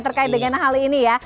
terkait dengan hal ini ya